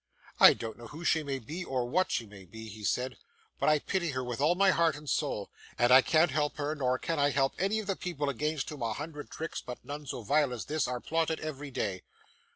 'I don't know who she may be, or what she may be,' he said: 'but I pity her with all my heart and soul; and I can't help her, nor can I any of the people against whom a hundred tricks, but none so vile as this, are plotted every day!